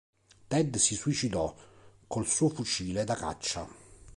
Ted si suicidò col suo fucile da caccia.